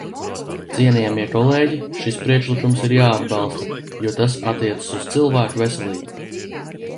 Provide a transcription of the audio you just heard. Cienījamie kolēģi, šis priekšlikums ir jāatbalsta, jo tas attiecas uz cilvēku veselību.